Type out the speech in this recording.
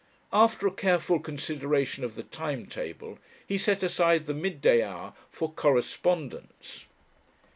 After a careful consideration of the time table, he set aside the midday hour for "Correspondence."